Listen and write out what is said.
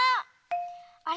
あれ？